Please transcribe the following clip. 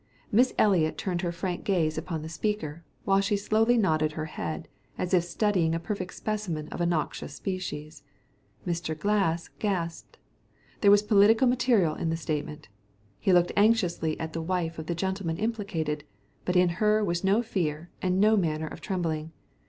Miss Eliot turned her frank gaze upon the speaker, while she slowly nodded her head as if studying a perfect specimen of a noxious species. Mr. Glass gasped. There was political material in the statement. He looked anxiously at the wife of the gentleman implicated, but in her was no fear and no manner of trembling.